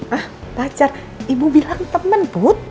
ah pacar ibu bilang temen put